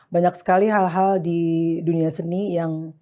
banyak sekali hal hal di dunia seni yang